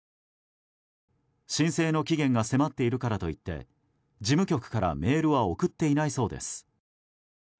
申請の期限が迫っているからといって事務局からメールは送っていないそうです。